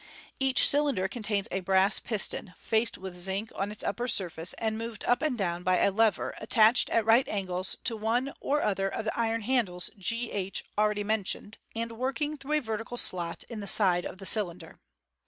Each cylinder contains a brass piston, faced with zinc on its upper surface, and moved up and down by a lever attached at right angles to one or other of the iron handles g h already mentioned, and working through a vertical slot in the side of the cylinder.